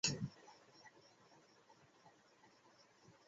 কারাগারে নেওয়ার পরে তিনি, যার হাত এখনও বেঁধে রয়েছে।